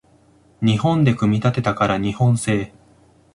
日本で組み立てたから日本製